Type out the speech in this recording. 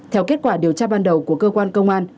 theo kết quả điều tra ban đầu của cơ quan công an